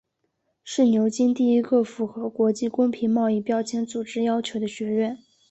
是牛津第一个符合国际公平贸易标签组织要求的学院。